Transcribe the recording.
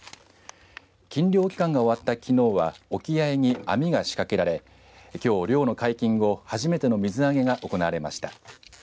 禁漁期間が終わったきのうは沖合に網が仕掛けられきょう、漁の解禁後初めての水揚げが行われました。